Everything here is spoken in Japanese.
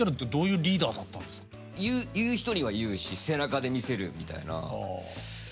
言う人には言うし背中で見せるみたいな感じだし。